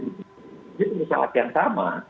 itu adalah kesalahan yang sama